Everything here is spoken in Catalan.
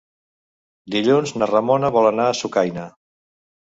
Dilluns na Ramona vol anar a Sucaina.